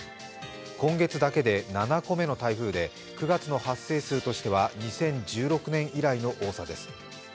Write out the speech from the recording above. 今月だけで７個目の台風で９月の発生数としては２０１６年以来の多さです。